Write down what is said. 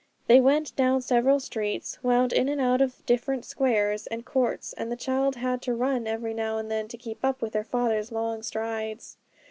They went down several streets, wound in and out of different squares and courts, and the child had to run every now and then to keep up with her father's long strides.